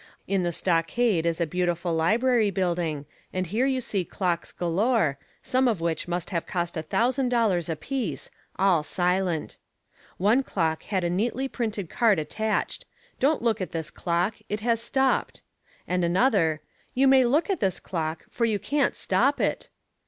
In the stockade is a beautiful library building and here you see clocks galore, some of which must have cost a thousand dollars a piece, all silent. One clock had a neatly printed card attached, "Don't look at this clock it has stopped." And another, "You may look at this clock, for you can't stop it!"